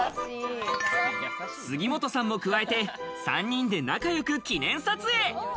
杉本さんも加えて３人で仲良く記念撮影。